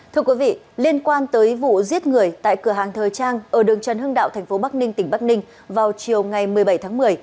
thưa quý vị liên quan tới vụ giết người tại cửa hàng thời trang ở đường trần hưng đạo thành phố bắc ninh tỉnh bắc ninh vào chiều ngày một mươi bảy tháng một mươi